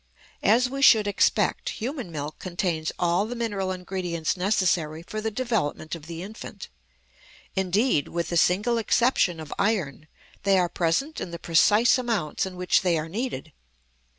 As we should expect, human milk contains all the mineral ingredients necessary for the development of the infant; indeed, with the single exception of iron, they are present in the precise amounts in which they are needed.